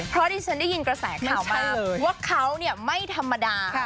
เพราะที่ฉันได้ยินกระแสข่าวมาว่าเขาไม่ธรรมดา